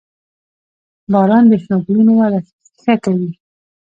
• باران د شنو ګلونو وده ښه کوي.